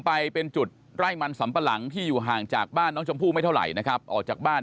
ไปเป็นจุดไร่มันสำปะหลังที่อยู่ห่างจากบ้านน้องชมพู่ไม่เท่าไหร่นะครับออกจากบ้าน